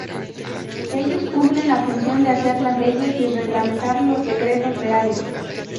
Ellos, cumplen la función de hacer las leyes y reglamentar los decretos reales.